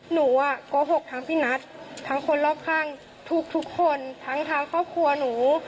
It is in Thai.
หนูโกหกทั้งพี่นัททั้งคนรอบข้างทุกคนทั้งทางครอบครัวหนู